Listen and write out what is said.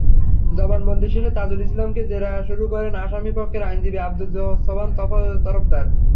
জবানবন্দি শেষে তাজুল ইসলামকে জেরা শুরু করেন আসামিপক্ষের আইনজীবী আবদুস সোবহান তরফদার।